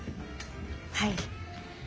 はい。